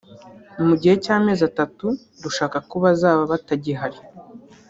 Mu gihe cy’amezi atatu dushaka ko bazaba batagihari